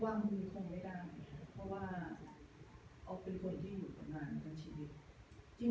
ว่ามือคงไม่ได้เพราะว่าเขาเป็นคนที่อยู่กับงานในชีวิต